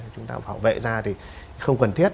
chúng ta phòng bệ ra thì không cần thiết